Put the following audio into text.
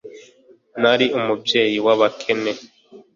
nari umubyeyi w'abakene